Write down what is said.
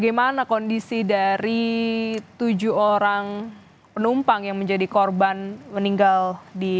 apakah ini sudah berhasil dievakuasi hingga siang ini